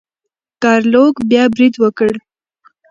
ګارلوک بیا برید وکړ.